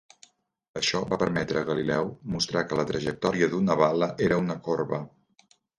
Això va permetre a Galileu mostrar que la trajectòria d'una bala era una corba.